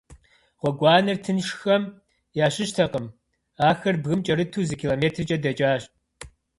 Гъуэгуанэр тыншхэм ящыщтэкъым - ахэр бгым кӏэрыту зы километркӏэ дэкӏащ.